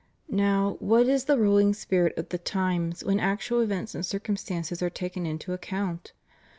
Now, what is the ruling spirit of the times when actual events and circum stances are taken into account?